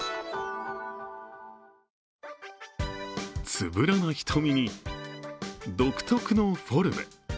つぶらな瞳に、独特のフォルム。